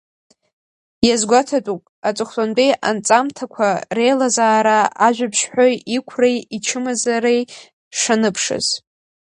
Иазгәаҭатәуп аҵыхәтәантәи анҵамҭақәа реилазаара ажәабжьҳәаҩ иқәреи ичымазареи шаныԥшыз.